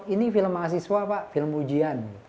ini film mahasiswa pak film ujian